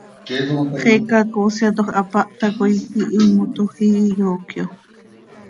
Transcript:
Xiica coosyatoj hapáh tacoi, ihiimotoj íi, yoocyo.